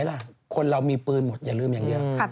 ว้าวเหมือนมันกันเนอะ